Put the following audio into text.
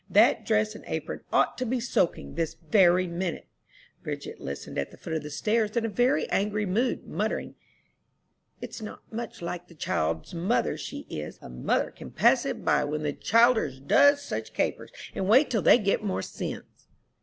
That dress and apron ought to be soaking this very minute." Bridget listened at the foot of the stairs in a very angry mood, muttering, "It's not much like the child's mother she is. A mother can pass it by when the childers does such capers, and wait till they get more sinse."